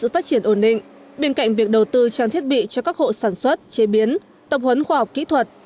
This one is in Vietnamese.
phát triển ổn định bên cạnh việc đầu tư trang thiết bị cho các hộ sản xuất chế biến tập huấn khoa học kỹ thuật